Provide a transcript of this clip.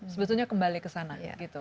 sebetulnya kembali ke sana